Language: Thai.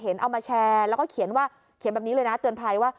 เอามาแชร์แล้วก็เขียนว่าเขียนแบบนี้เลยนะเตือนภัยว่า